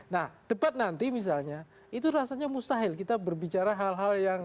nah debat nanti misalnya itu rasanya mustahil kita berbicara hal hal yang